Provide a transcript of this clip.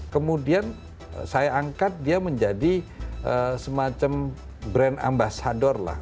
kemudian saya angkat dia menjadi semacam brand ambasador lah